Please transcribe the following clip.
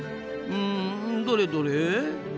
うんどれどれ？